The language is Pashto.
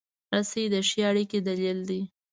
رسۍ د ښې اړیکې دلیل دی.